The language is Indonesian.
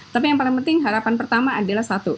tapi yang paling penting harapan pertama adalah satu